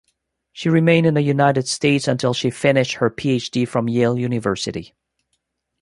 She remained in the United States until she finished her PhD from Yale University.